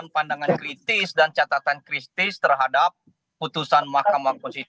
pak ganjar pak mahfud